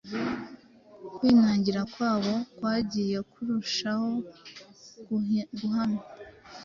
Kwinangira kwabo kwagiye kurushaho guhama.